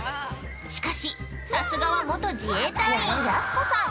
しかし、さすがは元自衛隊やす子さん。